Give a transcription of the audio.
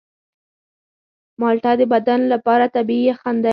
مالټه د بدن لپاره طبیعي یخن دی.